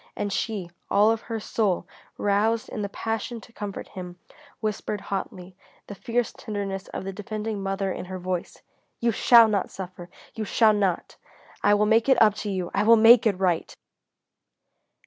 And she, all of her soul roused in the passion to comfort him, whispered hotly, the fierce tenderness of the defending mother in her voice: "You shall not suffer! You shall not! I will make it up to you! I will make it right!"